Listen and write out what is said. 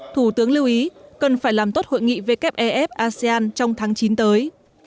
thủ tướng lưu ý cần phải làm tốt hội nghị wfasean trong tháng chín tới